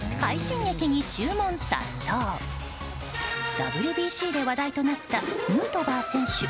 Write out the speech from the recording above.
ＷＢＣで話題となったヌートバー選手。